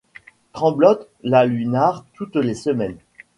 Tremblot la lui narre toutes les semaines.